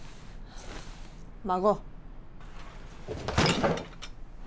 孫！